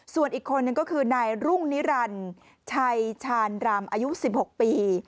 ส่วนอีกคนนึงก็คือนายรุ่งนิรันดิ์ชัยชาญรำอายุ๑๖ปี